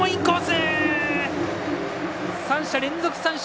３者連続三振。